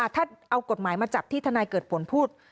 ถ้าเอากฎหมายมาจับที่ทนายเกิดผลพูด